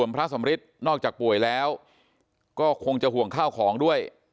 พระสำริทนอกจากป่วยแล้วก็คงจะห่วงข้าวของด้วย